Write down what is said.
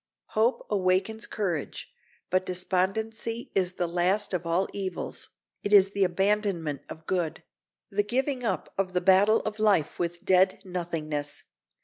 Hope awakens courage, but despondency is the last of all evils; it is the abandonment of good—the giving up of the battle of life with dead nothingness.